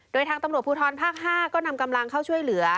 โดยทางตำรวจภูทรภาค๕ก็นำกำลังเข้าช่วยเหลือ